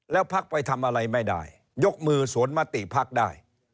แล้วพักไปทำอะไรไม่ได้ยกมือสวนมติภักดิ์ได้